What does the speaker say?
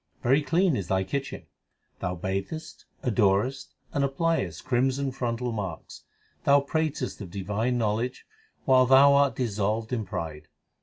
Very clean is thy kitchen. Thou bathest, adorest, and appliest crimson frontal marks. Thou pratest of divine knowledge while thou art dissolved in pride.